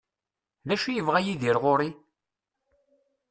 D acu i yebɣa Yidir ɣur-i?